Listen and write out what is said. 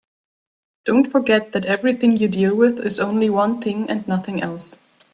Don't forget that everything you deal with is only one thing and nothing else.